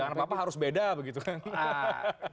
jangan apa apa harus beda begitu kan